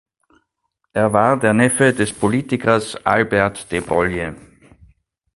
Er war der Neffe des Politikers Albert de Broglie.